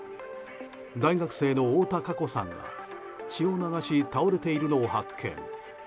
大学生の大田夏瑚さんが血を流し倒れているのを発見。